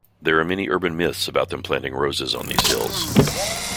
There are many urban myths about them planting roses on these hills.